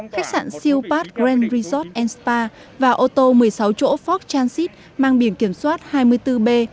khách sạn siêu pát grand resort spa và ô tô một mươi sáu chỗ fox transit mang biển kiểm soát hai mươi bốn b sáu bốn mươi bảy